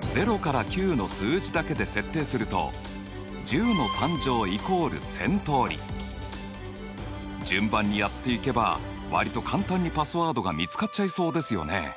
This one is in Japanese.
０から９の数字だけで設定すると順番にやっていけば割と簡単にパスワードが見つかっちゃいそうですよね。